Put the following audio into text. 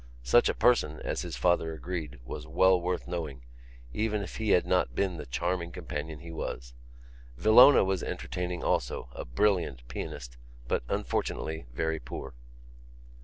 Such a person (as his father agreed) was well worth knowing, even if he had not been the charming companion he was. Villona was entertaining also—a brilliant pianist—but, unfortunately, very poor.